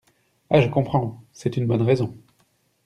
Ha je comprends, c'est une bonne raison.